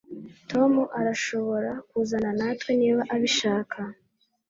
Tom arashobora kuzana natwe niba abishaka